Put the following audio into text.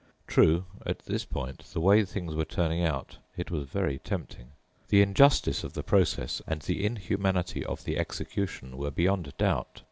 True, at this point the way things were turning out it was very tempting. The injustice of the process and the inhumanity of the execution were beyond doubt.